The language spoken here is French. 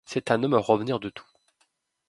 C’est un homme à revenir de tout !..